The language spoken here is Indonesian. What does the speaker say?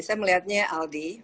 saya melihatnya aldi